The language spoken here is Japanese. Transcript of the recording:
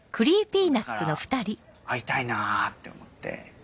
だから会いたいなって思って。